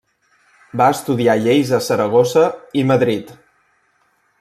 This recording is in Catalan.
Va estudiar lleis a Saragossa i Madrid.